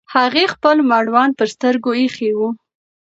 هغې خپل مړوند پر سترګو ایښی و.